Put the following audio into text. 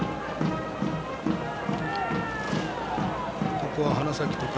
ここは花咲徳栄